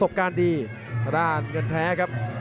รับการดีตรฐานเงินแท้ครับ